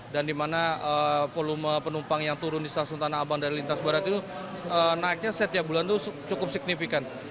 dan dimana volume penumpang yang turun di stasiun tanah abang dari lintas barat itu naiknya setiap bulan itu cukup signifikan